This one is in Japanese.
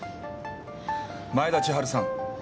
前田千春さん。